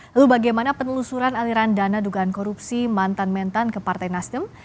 lalu bagaimana penelusuran aliran dana dugaan korupsi mantan mentan ke partai nasdem